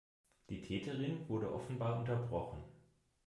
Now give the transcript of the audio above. Die Täterin wurde offenbar unterbrochen.